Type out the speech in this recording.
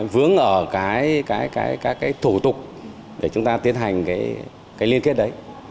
vướng ở các thủ tục để chúng ta tiến hành liên kết đấy